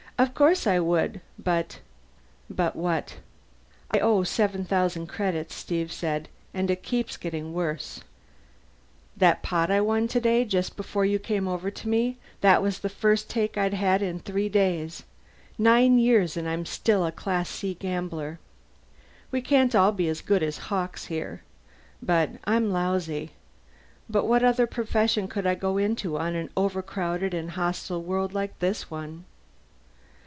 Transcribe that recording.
"Of course I would! But " "But what?" "I owe seven thousand credits," Steve said. "And it keeps getting worse. That pot I won today, just before you came over to me, that was the first take I'd had in three days. Nine years and I'm still a Class C gambler. We can't all be as good as Hawkes here. I'm lousy but what other profession could I go into, on an overcrowded and hostile world like this one?"